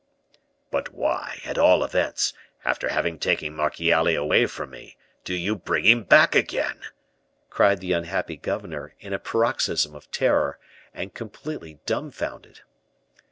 "But why, at all events, after having taken Marchiali away from me, do you bring him back again?" cried the unhappy governor, in a paroxysm of terror, and completely dumbfounded.